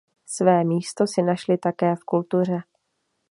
Své místo si našly také v kultuře.